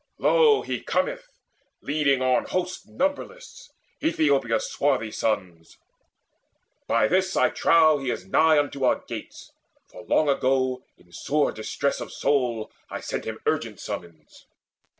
Lo, he cometh, leading on Hosts numberless, Aethiopia's swarthy sons. By this, I trow, he is nigh unto our gates; For long ago, in sore distress of soul, I sent him urgent summons.